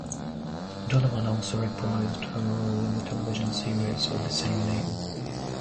Donovan also reprised her role in the television series of the same name.